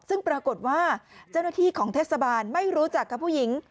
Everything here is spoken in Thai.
ซึ่งปรากฏว่าเจ้าหน้าที่ของเทศบาลไม่รู้จักกับผู้หญิง